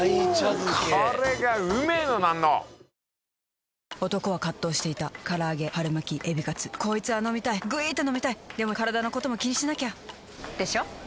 これがうめえのなんの男は葛藤していた唐揚げ春巻きエビカツこいつぁ飲みたいぐいーーっと飲みたいでもカラダのことも気にしなきゃ！でしょ？